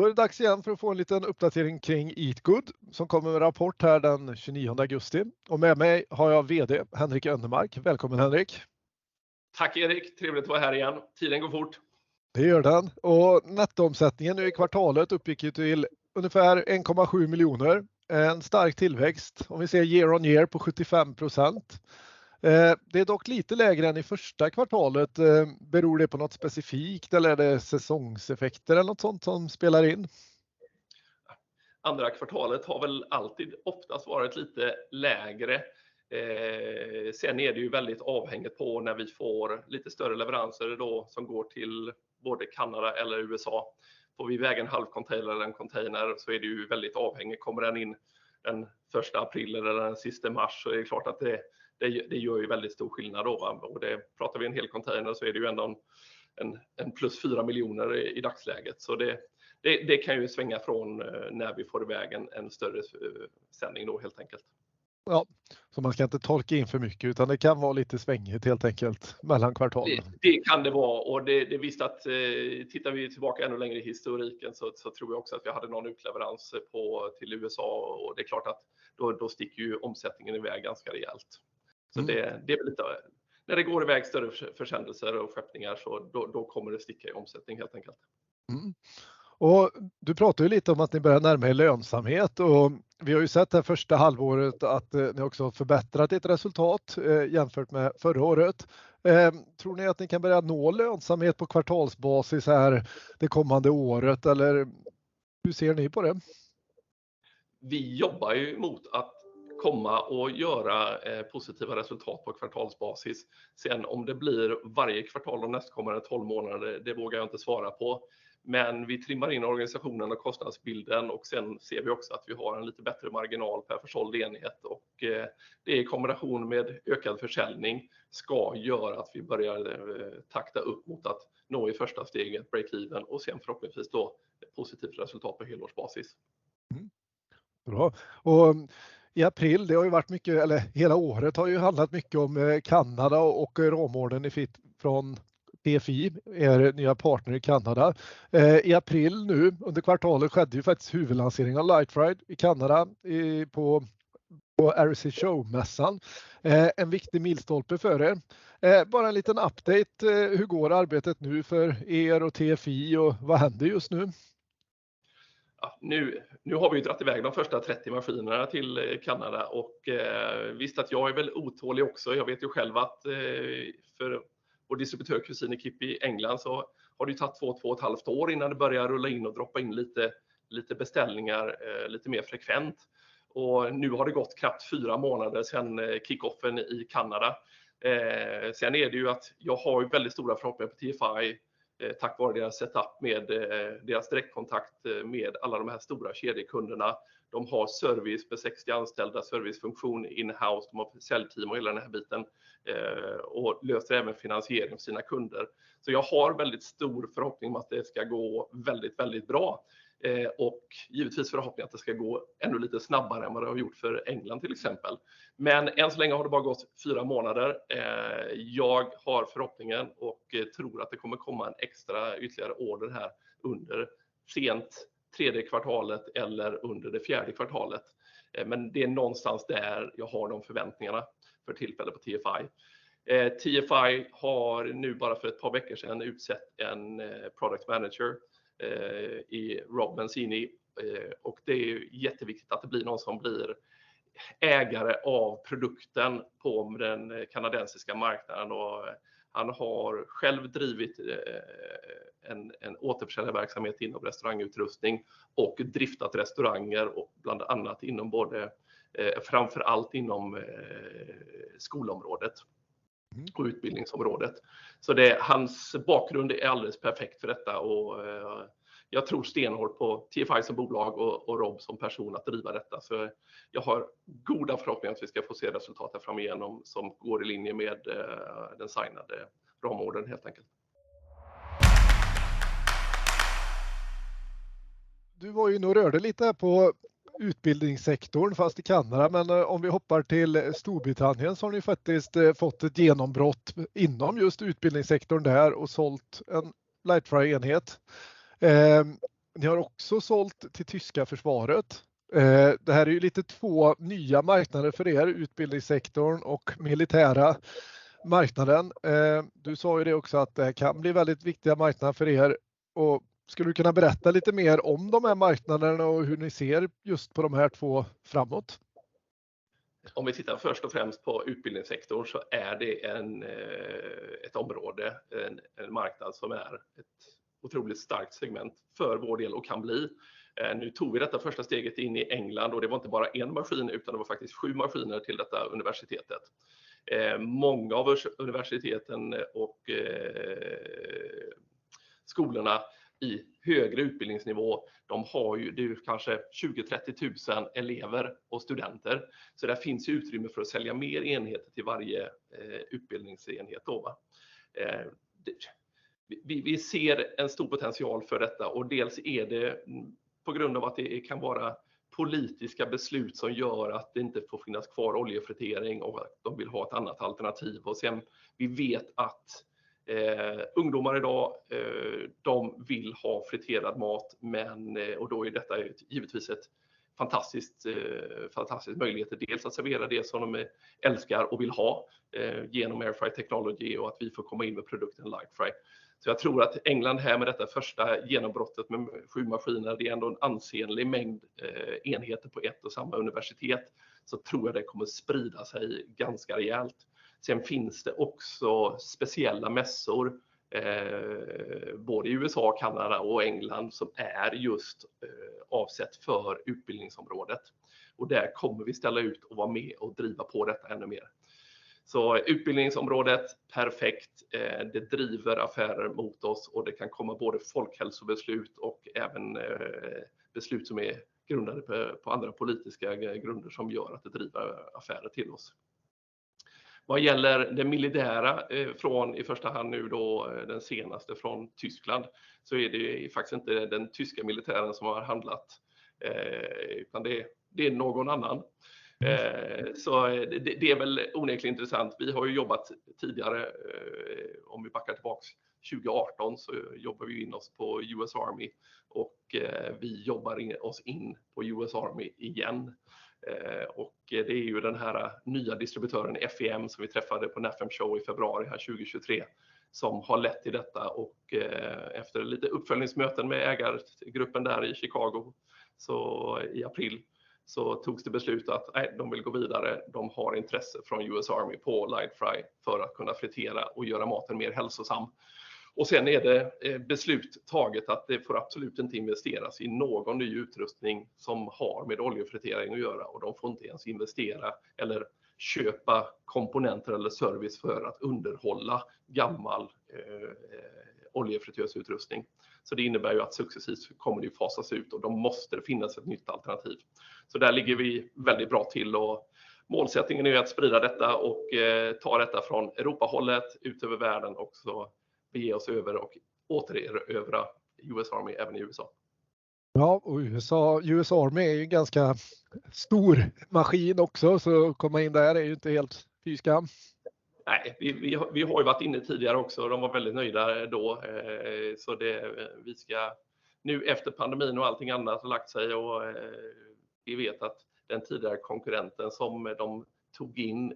Då är det dags igen för att få en liten uppdatering kring Eatgood, som kommer med rapport här den 29 augusti. Och med mig har jag VD Henrik Önnermark. Välkommen Henrik! Tack Erik, trevligt att vara här igen. Tiden går fort. Det gör den. Nettoomsättningen nu i kvartalet uppgick ju till ungefär 1,7 miljoner. En stark tillväxt. Om vi ser year on year på 75%. Det är dock lite lägre än i första kvartalet. Beror det på något specifikt eller är det säsongseffekter eller något sådant som spelar in? Andra kvartalet har väl alltid oftast varit lite lägre. Sen är det ju väldigt avhängigt på när vi får lite större leveranser då, som går till både Kanada eller USA. Får vi iväg en halv container eller en container, så är det ju väldigt avhängigt. Kommer den in den första april eller den sista mars, så är det klart att det gör ju väldigt stor skillnad då. Och det pratar vi en hel container så är det ju ändå en plus 4 miljoner i dagsläget. Så det kan ju svänga från när vi får iväg en större sändning då helt enkelt. Ja, så man ska inte tolka in för mycket, utan det kan vara lite svängigt helt enkelt mellan kvartalen. Det kan det vara och det är visst att tittar vi tillbaka ännu längre i historiken så tror jag också att vi hade någon utleverans på till USA och det är klart att då sticker ju omsättningen iväg ganska rejält. Så det är lite... När det går iväg större försändelser och skeppningar, så då kommer det sticka i omsättning helt enkelt. Och du pratar ju lite om att ni börjar närma er lönsamhet och vi har ju sett det här första halvåret att ni också har förbättrat ert resultat, jämfört med förra året. Tror ni att ni kan börja nå lönsamhet på kvartalsbasis här det kommande året? Eller hur ser ni på det? Vi jobbar ju mot att komma och göra positiva resultat på kvartalsbasis. Sen om det blir varje kvartal de nästkommande tolv månaderna, det vågar jag inte svara på, men vi trimmar in organisationen och kostnadsbilden och sen ser vi också att vi har en lite bättre marginal per försåld enhet och det i kombination med ökad försäljning ska göra att vi börjar takta upp mot att nå i första steget break even och sen förhoppningsvis då, positivt resultat på helårsbasis. Och i april, det har ju varit mycket, eller hela året har ju handlat mycket om Kanada och ramorden ifrån TFI, er nya partner i Kanada. I april nu, under kvartalet, skedde ju faktiskt huvudlanseringen av Lightfry i Kanada, på REC Show-mässan. En viktig milstolpe för er. Bara en liten update, hur går arbetet nu för er och TFI och vad händer just nu? Ja, nu har vi dragit i väg de första trettio maskinerna till Kanada och visst att jag är väl otålig också. Jag vet ju själv att för vår distributör, Cuisine Equipment i England, så har det ju tagit två, två och ett halvt år innan det börjar rulla in och droppa in lite beställningar, lite mer frekvent. Nu har det gått knappt fyra månader sedan kickoffen i Kanada. Sen är det ju att jag har väldigt stora förhoppningar på TFI, tack vare deras setup med deras direktkontakt med alla de här stora kedjekunderna. De har service med sextio anställda, servicefunktion in-house, de har säljteam och hela den här biten, och löser även finansiering för sina kunder. Så jag har väldigt stor förhoppning om att det ska gå väldigt, väldigt bra. Och givetvis förhoppning att det ska gå ännu lite snabbare än vad det har gjort för England, till exempel. Men än så länge har det bara gått fyra månader. Jag har förhoppningen och tror att det kommer komma en extra ytterligare order här under sent tredje kvartalet eller under det fjärde kvartalet. Men det är någonstans där jag har de förväntningarna för tillfället på TFI. TFI har nu bara för ett par veckor sedan utsett en Product Manager i Rob Benzini, och det är jätteviktigt att det blir någon som blir ägare av produkten på den kanadensiska marknaden. Och han har själv drivit en återförsäljarverksamhet inom restaurangutrustning och driftat restauranger, och bland annat inom både, framför allt inom skolområdet. Mm. Och utbildningsområdet. Så hans bakgrund är alldeles perfekt för detta och jag tror stenhårt på TFI som bolag och Rob som person att driva detta. Så jag har goda förhoppningar att vi ska få se resultat här framigenom, som går i linje med den signade ramorden, helt enkelt. Du var ju nog rörde lite på utbildningssektorn, fast i Kanada, men om vi hoppar till Storbritannien så har ni faktiskt fått ett genombrott inom just utbildningssektorn där och sålt en Lightfry-enhet. Ni har också sålt till tyska försvaret. Det här är ju lite två nya marknader för er, utbildningssektorn och militära marknaden. Du sa ju det också att det kan bli väldigt viktiga marknader för er. Skulle du kunna berätta lite mer om de här marknaderna och hur ni ser just på de här två framåt? Om vi tittar först och främst på utbildningssektorn, så är det ett område, en marknad som är ett otroligt starkt segment för vår del och kan bli. Nu tog vi detta första steget in i England och det var inte bara en maskin, utan det var faktiskt sju maskiner till detta universitetet. Många av universiteten och skolorna i högre utbildningsnivå, de har ju, det är kanske 20,000, 30,000 elever och studenter. Så där finns ju utrymme för att sälja mer enheter till varje utbildningsenhet då. Vi ser en stor potential för detta och dels är det på grund av att det kan vara politiska beslut som gör att det inte får finnas kvar oljefritering och att de vill ha ett annat alternativ. Sen vet vi att ungdomar idag, de vill ha friterad mat, men då är detta givetvis en fantastisk, fantastisk möjlighet att dels servera det som de älskar och vill ha igenom airfry-teknologi och att vi får komma in med produkten Lightfry. Jag tror att England här med detta första genombrottet med sju maskiner, det är ändå en ansenlig mängd enheter på ett och samma universitet, så tror jag det kommer att sprida sig ganska rejält. Sen finns det också speciella mässor, både i USA, Kanada och England, som är just avsett för utbildningsområdet. Där kommer vi ställa ut och vara med och driva på detta ännu mer. Utbildningsområdet, perfekt, det driver affärer mot oss och det kan komma både folkhälsobeslut och även beslut som är grundade på andra politiska grunder som gör att det driver affärer till oss. Vad gäller det militära från i första hand nu då den senaste från Tyskland, så är det faktiskt inte den tyska militären som har handlat utan det är någon annan. Det är väl onekligt intressant. Vi har ju jobbat tidigare, om vi backar tillbaka 2018, så jobbade vi in oss på US Army och vi jobbar oss in på US Army igen. Det är ju den här nya distributören FEM som vi träffade på NAFEM Show i februari här 2023, som har lett till detta. Efter lite uppföljningsmöten med ägargruppen där i Chicago, så i april, så togs det beslut att de vill gå vidare. De har intresse från US Army på Lightfry för att kunna fritera och göra maten mer hälsosam. Och sen är det beslut taget att det får absolut inte investeras i någon ny utrustning som har med oljefritering att göra. Och de får inte ens investera eller köpa komponenter eller service för att underhålla gammal oljefritösutrustning. Så det innebär ju att successivt kommer det fasas ut och då måste det finnas ett nytt alternativ. Så där ligger vi väldigt bra till och målsättningen är att sprida detta och ta detta från Europahållet ut över världen och så bege oss över och återerövra US Army även i USA. Ja, och USA, US Army är ju en ganska stor maskin också, så att komma in där är ju inte helt lätt. Nej, vi har ju varit inne tidigare också. De var väldigt nöjda då. Så det, vi ska nu efter pandemin och allting annat har lagt sig och vi vet att den tidigare konkurrenten som de tog in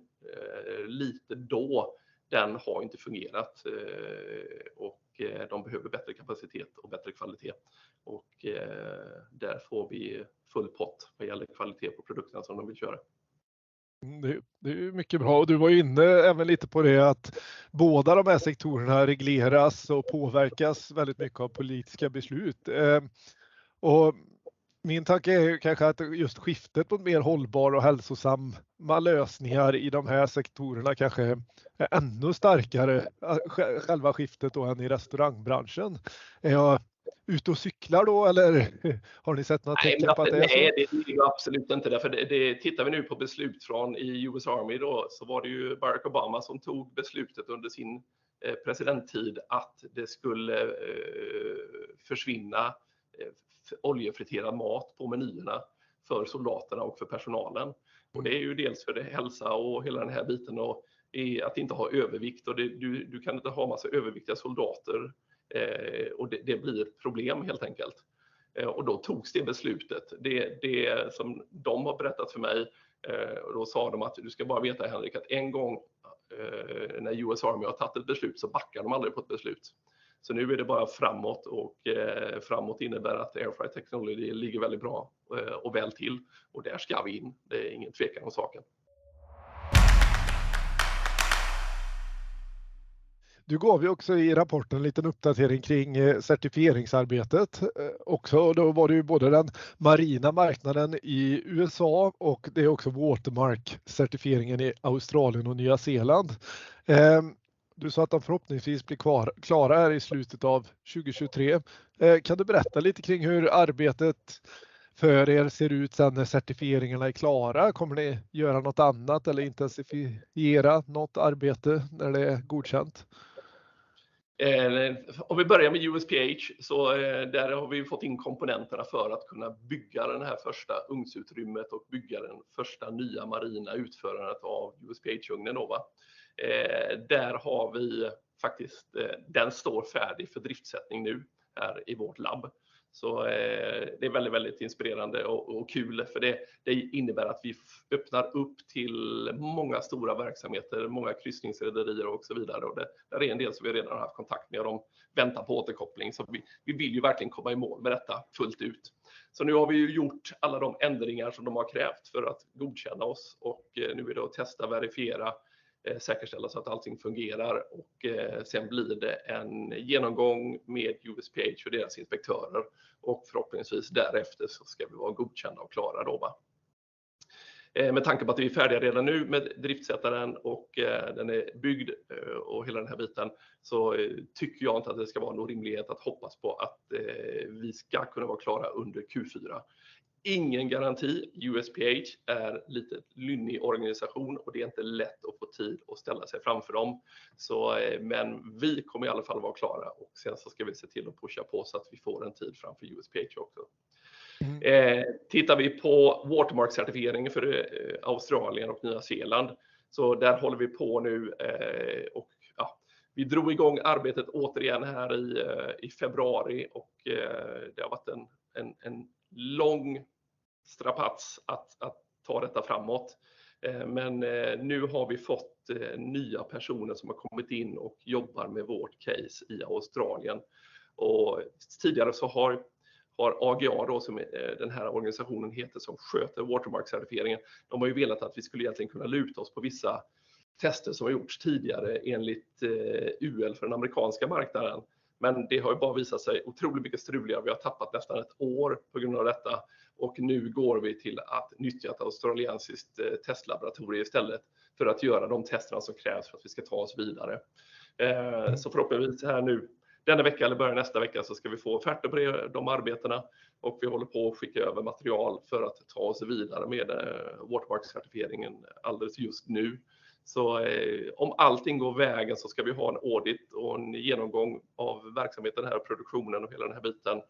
lite då, den har inte fungerat. De behöver bättre kapacitet och bättre kvalitet. Där får vi full pott vad gäller kvalitet på produkten som de vill köra. Det är ju mycket bra och du var inne även lite på det att både de här sektorerna regleras och påverkas väldigt mycket av politiska beslut. Och min tanke är kanske att just skiftet mot mer hållbar och hälsosamma lösningar i de här sektorerna kanske är ännu starkare, själva skiftet då än i restaurangbranschen. Är jag ute och cyklar då? Eller har ni sett något tecken på det? Nej, det är absolut inte det. För det, tittar vi nu på beslut från US Army då, så var det ju Barack Obama som tog beslutet under sin presidenttid att det skulle försvinna oljefriterad mat på menyerna för soldaterna och för personalen. Det är ju dels för det hälsa och hela den här biten och att inte ha övervikt. Du kan inte ha massa överviktiga soldater och det blir problem helt enkelt. Då togs det beslutet. Det som de har berättat för mig, då sa de att: Du ska bara veta Henrik, att en gång när US Army har tagit ett beslut, så backar de aldrig på ett beslut. Så nu är det bara framåt och framåt innebär att airfry technology ligger väldigt bra och väl till och där ska vi in. Det är ingen tvekan om saken. Du gav vi också i rapporten en liten uppdatering kring certifieringsarbetet. Också, då var det ju både den marina marknaden i USA och det är också Watermark-certifieringen i Australien och Nya Zeeland. Du sa att de förhoppningsvis blir kvar, klara här i slutet av 2023. Kan du berätta lite kring hur arbetet för er ser ut sen när certifieringarna är klara? Kommer ni göra något annat eller intensifiera något arbete när det är godkänt? Om vi börjar med USPH, så där har vi fått in komponenterna för att kunna bygga den här första ugnsutrymmet och bygga den första nya marina utförandet av USPH-ugnen. Där har vi faktiskt, den står färdig för driftsättning nu här i vårt labb. Det är väldigt, väldigt inspirerande och kul för det. Det innebär att vi öppnar upp till många stora verksamheter, många kryssningsrederier och så vidare. Det är en del som vi redan haft kontakt med. De väntar på återkoppling. Vi vill ju verkligen komma i mål med detta fullt ut. Nu har vi ju gjort alla de ändringar som de har krävt för att godkänna oss och nu är det att testa, verifiera, säkerställa så att allting fungerar och sen blir det en genomgång med USPH och deras inspektörer och förhoppningsvis därefter så ska vi vara godkända och klara. Med tanke på att vi är färdiga redan nu med driftsättaren och den är byggd och hela den här biten, så tycker jag inte att det ska vara någon rimlighet att hoppas på att vi ska kunna vara klara under Q4. Ingen garanti, USPH är lite lynnig organisation och det är inte lätt att på tid och ställa sig framför dem. Men vi kommer i alla fall vara klara och sedan så ska vi se till att pusha på så att vi får en tid framför USPH också. Tittar vi på Watermark-certifieringen för Australien och Nya Zeeland, så där håller vi på nu. Och ja, vi drog i gång arbetet återigen här i februari och det har varit en lång strapatts att ta detta framåt. Men nu har vi fått nya personer som har kommit in och jobbar med vårt case i Australien. Tidigare så har AGA då, som den här organisationen heter, som sköter Watermark-certifieringen, de har ju velat att vi skulle egentligen kunna luta oss på vissa tester som har gjorts tidigare enligt UL för den amerikanska marknaden, men det har bara visat sig otroligt mycket struligare. Vi har tappat nästan ett år på grund av detta och nu går vi till att nyttja ett australiensiskt testlaboratorium istället för att göra de tester som krävs för att vi ska ta oss vidare. Så förhoppningsvis här nu, denna vecka eller början nästa vecka, så ska vi få offerter på de arbetena och vi håller på att skicka över material för att ta oss vidare med Watermark-certifieringen alldeles just nu. Så om allting går vägen så ska vi ha en audit och en genomgång av verksamheten, här produktionen och hela den här biten,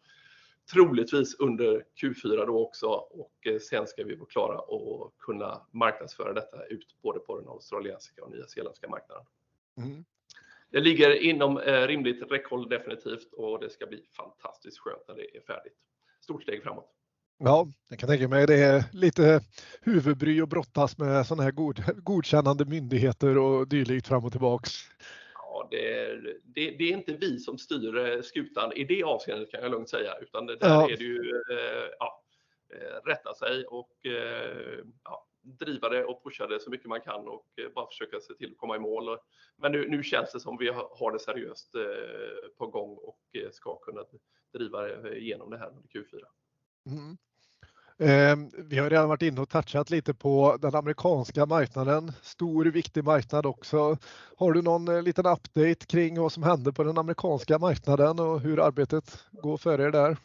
troligtvis under Q4 då också. Och sen ska vi vara klara och kunna marknadsföra detta ut både på den australiensiska och nyzeeländska marknaden. Mm. Det ligger inom rimligt räckhåll, definitivt, och det ska bli fantastiskt skönt när det är färdigt. Stort steg framåt! Ja, det kan jag tänka mig. Det är lite huvudbry och brottas med sådana här godkännande myndigheter och dylikt fram och tillbaka. Ja, det är inte vi som styr skutan i det avseendet kan jag lugnt säga, utan- Ja. Det är ju, ja, rätta sig och, ja, driva det och pusha det så mycket man kan och bara försöka se till att komma i mål. Men nu, nu känns det som om vi har det seriöst på gång och ska kunna driva igenom det här under Q4. Vi har redan varit inne och touchat lite på den amerikanska marknaden. Stor, viktig marknad också. Har du någon liten update kring vad som händer på den amerikanska marknaden och hur arbetet går för er där?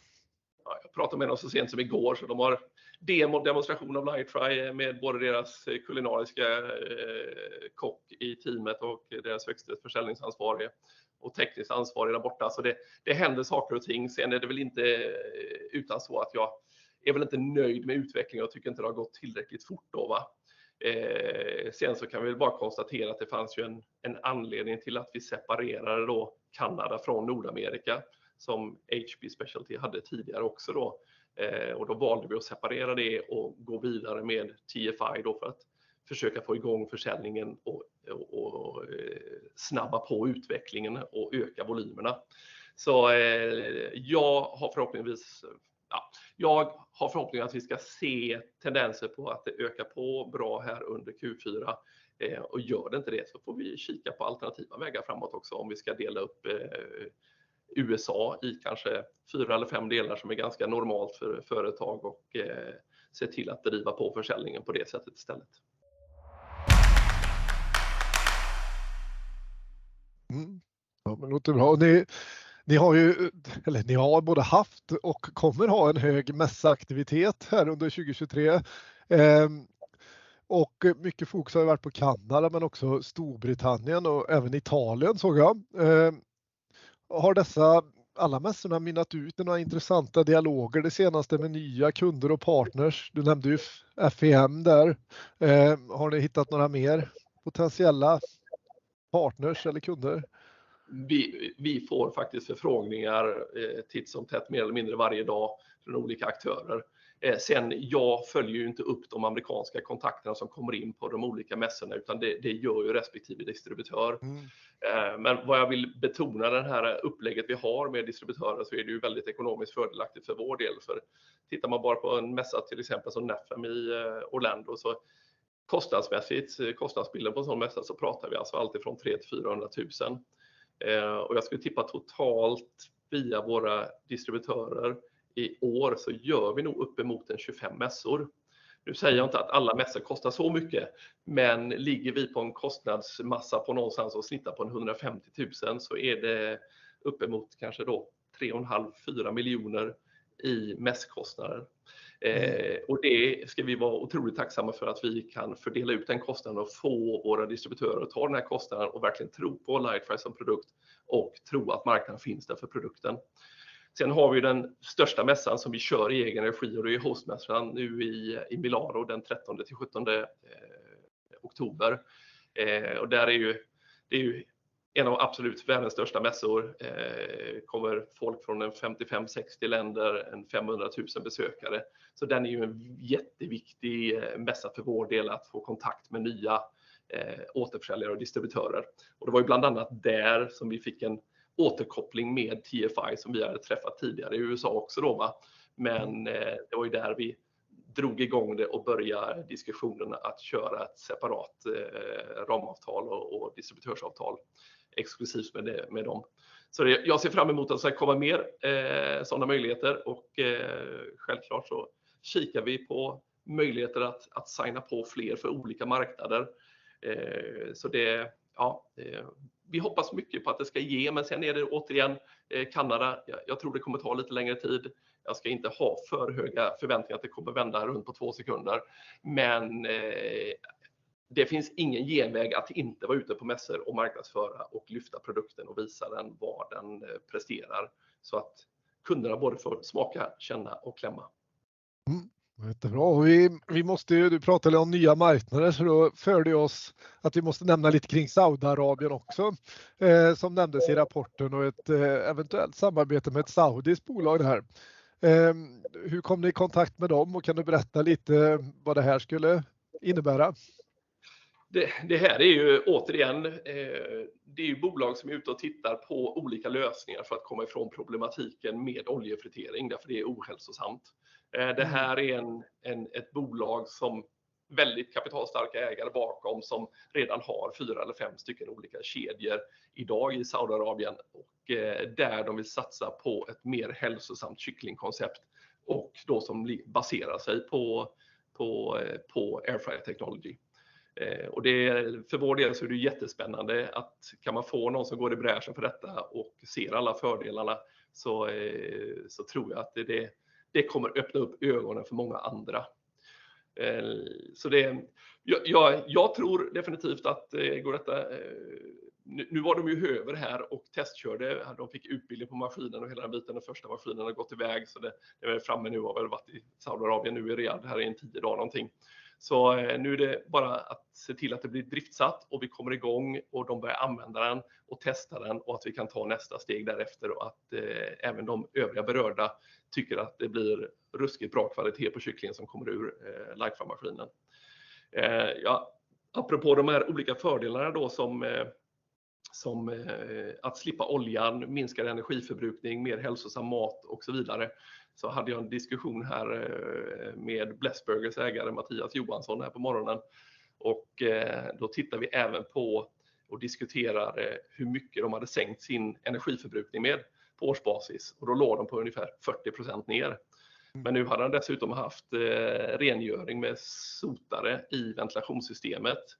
Ja, jag pratade med dem så sent som i går, så de har demo, demonstration av Lightry med både deras kulinariska kock i teamet och deras högsta försäljningsansvarige och tekniskt ansvarig där borta. Det händer saker och ting. Sen är det väl inte utan så att jag är väl inte nöjd med utvecklingen och tycker inte det har gått tillräckligt fort då. Sen så kan vi bara konstatera att det fanns ju en anledning till att vi separerade då Kanada från Nordamerika, som HP Specialty hade tidigare också då. Då valde vi att separera det och gå vidare med TFI då för att försöka få i gång försäljningen och snabba på utvecklingen och öka volymerna. Jag har förhoppningsvis, ja, jag har förhoppning att vi ska se tendenser på att det ökar på bra här under Q4. Och gör det inte det, så får vi kika på alternativa vägar framåt också. Om vi ska dela upp USA i kanske fyra eller fem delar som är ganska normalt för företag och se till att driva på försäljningen på det sättet istället. Mm. Ja, men låter bra. Ni har ju, eller ni har både haft och kommer ha en hög mässaktivitet här under 2023. Och mycket fokus har varit på Kanada, men också Storbritannien och även Italien såg jag. Har dessa alla mässorna mynnat ut i några intressanta dialoger det senaste med nya kunder och partners? Du nämnde ju FEM där. Har ni hittat några mer potentiella partners eller kunder? Vi får faktiskt förfrågningar titt som tätt, mer eller mindre varje dag från olika aktörer. Sen, jag följer ju inte upp de amerikanska kontakterna som kommer in på de olika mässorna, utan det gör ju respektive distributör. Mm. Men vad jag vill betona, den här upplägget vi har med distributörer, så är det ju väldigt ekonomiskt fördelaktigt för vår del. För tittar man bara på en mässa, till exempel, som NEFM i Orlando, så kostnadsmässigt, kostnadsbilden på en sådan mässa, så pratar vi alltså alltifrån 300 000 till 400 000. Och jag skulle tippa totalt via våra distributörer i år så gör vi nog uppemot 25 mässor. Nu säger jag inte att alla mässor kostar så mycket, men ligger vi på en kostnadsmassa på någonstans och snittar på 150 000, så är det uppemot kanske då 3,5 till 4 miljoner i mässkostnader. Och det ska vi vara otroligt tacksamma för att vi kan fördela ut den kostnaden och få våra distributörer att ta den här kostnaden och verkligen tro på Lightry som produkt och tro att marknaden finns där för produkten. Sen har vi den största mässan som vi kör i egen regi och det är Host-mässan nu i Milano, den trettonde till sjuttonde oktober. Och där är ju, det är ju en av absolut världens största mässor. Det kommer folk från femtiofem, sextio länder, femhundratusen besökare. Så den är ju en jätteviktig mässa för vår del att få kontakt med nya återförsäljare och distributörer. Det var bland annat där som vi fick en återkoppling med TFI, som vi hade träffat tidigare i USA också då. Men det var ju där vi drog i gång det och börja diskussionen att köra ett separat ramavtal och distributörsavtal exklusivt med dem. Så jag ser fram emot att det ska komma mer sådana möjligheter och självklart så kikar vi på möjligheter att signa på fler för olika marknader. Så det, ja, vi hoppas mycket på att det ska ge, men sen är det återigen Kanada. Jag tror det kommer ta lite längre tid. Jag ska inte ha för höga förväntningar att det kommer vända runt på två sekunder. Men det finns ingen genväg att inte vara ute på mässor och marknadsföra och lyfta produkten och visa den vad den presterar. Så att kunderna både får smaka, känna och klämma. Jättebra. Vi måste ju, du pratar om nya marknader, så då följer det oss att vi måste nämna lite kring Saudiarabien också, som nämndes i rapporten och ett eventuellt samarbete med ett saudiskt bolag här. Hur kom ni i kontakt med dem? Och kan du berätta lite vad det här skulle innebära? Det här är ju återigen, det är ju bolag som är ute och tittar på olika lösningar för att komma ifrån problematiken med oljefritering, därför det är ohälsosamt. Det här är ett bolag som väldigt kapitalstarka ägare bakom, som redan har fyra eller fem stycken olika kedjor idag i Saudiarabien och där de vill satsa på ett mer hälsosamt kycklingkoncept och då som baserar sig på airfry technology. För vår del så är det jättespännande att kan man få någon som går i bräschen för detta och ser alla fördelarna, så tror jag att det kommer öppna upp ögonen för många andra. Jag tror definitivt att går detta, nu var de ju här över och testkörde. De fick utbildning på maskinen och hela den biten. Den första maskinen har gått i väg, så det är framme nu och har väl varit i Saudiarabien nu i Riyadh här i en tio dagar någonting. Nu är det bara att se till att det blir driftsatt och vi kommer i gång och de börjar använda den och testa den och att vi kan ta nästa steg därefter. Att även de övriga berörda tycker att det blir ruskigt bra kvalitet på kycklingen som kommer ur Life Fry-maskinen. Apropå de här olika fördelarna då som att slippa oljan, minskad energiförbrukning, mer hälsosam mat och så vidare, så hade jag en diskussion här med Bless Burgers ägare, Mattias Johansson, här på morgonen. Då tittar vi även på och diskuterar hur mycket de hade sänkt sin energiförbrukning med på årsbasis. Då låg de på ungefär 40% ner. Men nu hade han dessutom haft rengöring med sotare i ventilationssystemet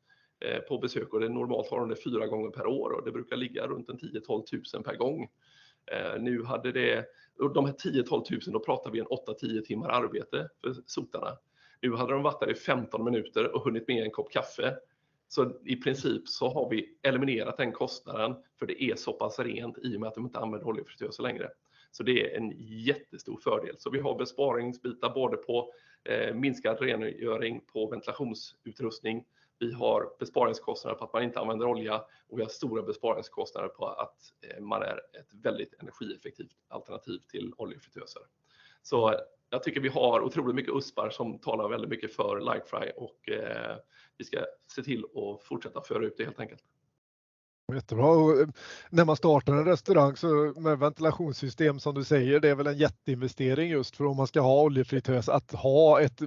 på besök och det är normalt varande fyra gånger per år och det brukar ligga runt en 10.000-12.000 kr per gång. Nu hade det, de här 10.000-12.000 kr, då pratar vi en åtta, tio timmar arbete för sotarna. Nu hade de varit där i femton minuter och hunnit med en kopp kaffe. Så i princip så har vi eliminerat den kostnaden, för det är så pass rent i och med att de inte använder oljefritöser längre. Så det är en jättestor fördel. Så vi har besparingsbitar både på minskad rengöring på ventilationsutrustning. Vi har besparingskostnader på att man inte använder olja och vi har stora besparingskostnader på att man är ett väldigt energieffektivt alternativ till oljefritöser. Jag tycker vi har otroligt mycket USP:ar som talar väldigt mycket för Life Fry och vi ska se till att fortsätta föra ut det helt enkelt. Jättebra! När man startar en restaurang med ventilationssystem, som du säger, det är väl en jätteinvestering just för om man ska ha oljefritös. Att ha ett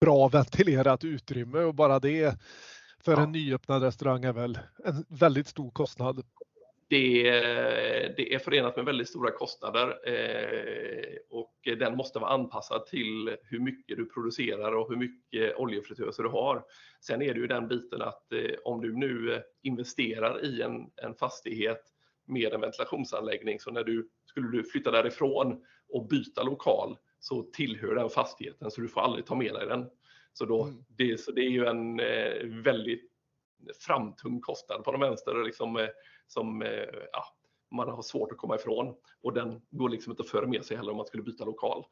bra ventilerat utrymme och bara det för en nyöppnad restaurang är väl en väldigt stor kostnad. Det är förenat med väldigt stora kostnader, och den måste vara anpassad till hur mycket du producerar och hur mycket oljefritöser du har. Sen är det ju den biten att om du nu investerar i en fastighet med en ventilationsanläggning, så när du skulle flytta därifrån och byta lokal, så tillhör den fastigheten, så du får aldrig ta med dig den. Så då, det är ju en väldigt framtung kostnad på de vänster, liksom, som man har svårt att komma ifrån och den går liksom inte att föra med sig heller om man skulle byta lokal.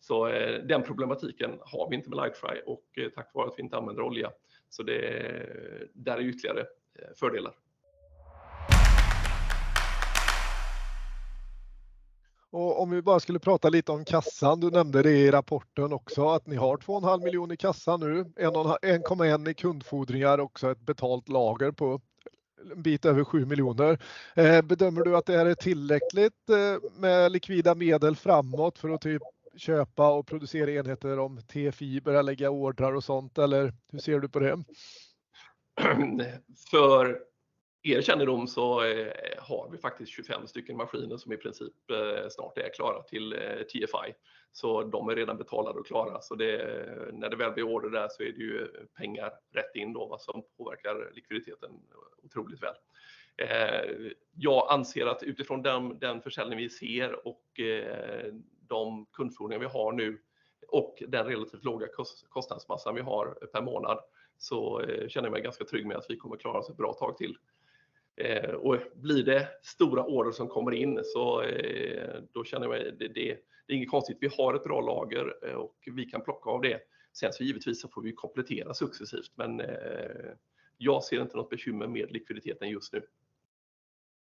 Så den problematiken har vi inte med Life Fry och tack vare att vi inte använder olja, så där är ytterligare fördelar. Om vi bara skulle prata lite om kassan. Du nämnde det i rapporten också, att ni har 2,5 miljoner i kassan nu, 1,1 i kundfordringar, också ett betalt lager på en bit över 7 miljoner. Bedömer du att det är tillräckligt med likvida medel framåt för att köpa och producera enheter om T-fiber eller lägga ordrar och sånt? Eller hur ser du på det? För er kännedom så har vi faktiskt 25 stycken maskiner som i princip snart är klara till TFI, så de är redan betalade och klara. När det väl blir order där så är det ju pengar rätt in då, vad som påverkar likviditeten otroligt väl. Jag anser att utifrån den försäljningen vi ser och de kundfordringar vi har nu och den relativt låga kostnadsmassan vi har per månad, så känner jag mig ganska trygg med att vi kommer att klara oss ett bra tag till. Blir det stora order som kommer in, så då känner jag mig, det är inget konstigt. Vi har ett bra lager och vi kan plocka av det. Sen så givetvis så får vi komplettera successivt, men jag ser inte något bekymmer med likviditeten just nu.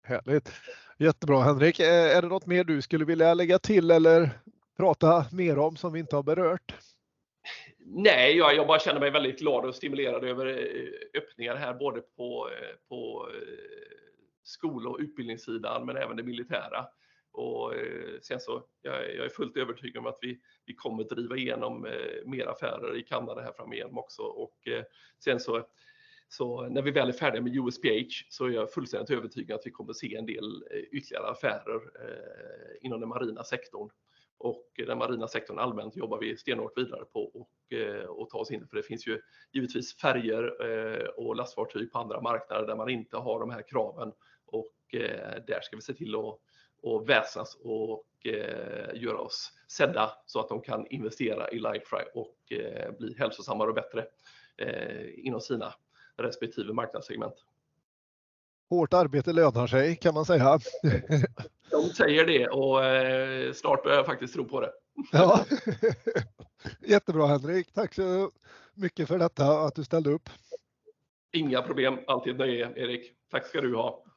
Härligt. Jättebra, Henrik. Är det något mer du skulle vilja lägga till eller prata mer om som vi inte har berört? Nej, jag bara känner mig väldigt glad och stimulerad över öppningar här, både på skol- och utbildningssidan, men även det militära. Jag är fullt övertygad om att vi kommer att driva igenom mer affärer i Kanada här framöver också. När vi väl är färdiga med USPH, så är jag fullständigt övertygad att vi kommer att se en del ytterligare affärer inom den marina sektorn. Den marina sektorn allmänt jobbar vi stenhårt vidare på att ta oss in, för det finns ju givetvis färjor och lastfartyg på andra marknader där man inte har de här kraven. Där ska vi se till att vässlas och göra oss sedda så att de kan investera i Life Fry och bli hälsosammare och bättre inom sina respektive marknadssegment. Hårt arbete lönar sig, kan man säga. De säger det och snart börjar jag faktiskt tro på det. Ja, jättebra, Henrik. Tack så mycket för detta, att du ställde upp. Inga problem, alltid nöje, Erik. Tack ska du ha!